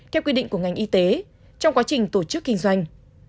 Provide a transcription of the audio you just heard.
theo quy định của ngành y tế trong quá trình tổ chức kinh doanh